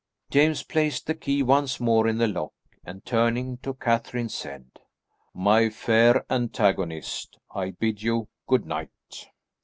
James placed the key once more in the lock, and turning to Catherine said, "My fair antagonist, I bid you good night."